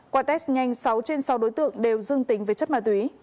qua test nhanh sáu trên sáu đối tượng đều dương tính với chất ma túy